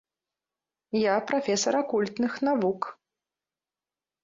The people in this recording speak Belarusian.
Я прафесар акультных навук.